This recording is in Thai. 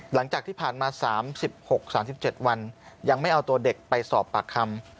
หลังจากที่ผ่านมา๓๖๓๗วันยังไม่เอาตัวเด็กไปสอบปากคำ